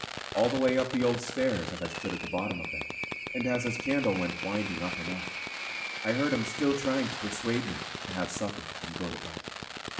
All the way up the old stairs as I stood at the bottom of them, and as his candle went winding up and up, I heard him still trying to persuade me to have supper and go to bed.